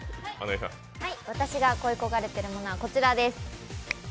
私が恋焦がれているものはこちらです。